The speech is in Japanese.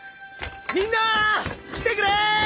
みんな！来てくれ！